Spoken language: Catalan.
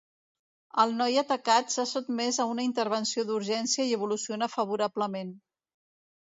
El noi atacat s’ha sotmès a una intervenció d’urgència i evoluciona favorablement.